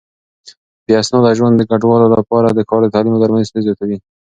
بې اسناده ژوند د کډوالو لپاره د کار، تعليم او درملنې ستونزې زياتوي.